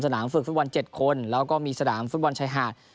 นามฝึกฟุตบอล๗คนแล้วก็มีสนามฟุตบอลชายหาด